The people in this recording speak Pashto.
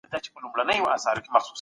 ما په هغه غونډه کي رښتيا وويل.